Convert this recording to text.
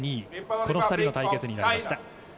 この２人の対決になりました。